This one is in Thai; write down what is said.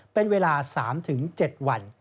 เป็นเวลา๓๗วัน